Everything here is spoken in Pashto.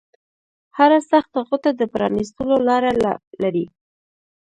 هره سخته غوټه د پرانیستلو لاره لري